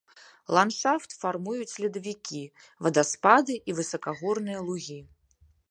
Ландшафт фармуюць ледавікі, вадаспады і высакагорныя лугі.